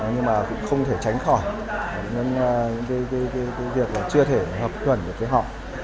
nhưng cũng không thể tránh khỏi những việc chưa thể hợp thuận được với họ